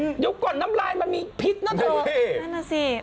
เดี๋ยวก่อนน้ำลายมันมีพิษนะเถอะ